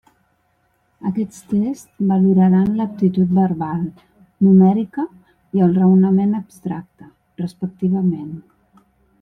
Aquests tests valoraran l'aptitud verbal, numèrica i el raonament abstracte, respectivament.